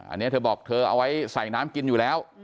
อันนี้เธอบอกเธอเอาไว้ใส่น้ำกินอยู่แล้ว